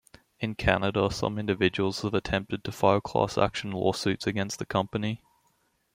In Canada, some individuals have attempted to file class action lawsuits against the company.